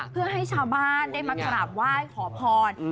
เพื่อให้ชาวบ้านได้มากราบไหว้ขอพร